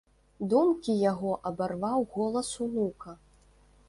Думкі яго абарваў голас унука.